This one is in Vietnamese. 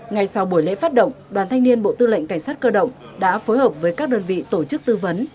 ngay sau buổi lễ phát động đoàn thanh niên bộ tư lệnh cảnh sát cơ động đã phối hợp với các đơn vị tổ chức tư vấn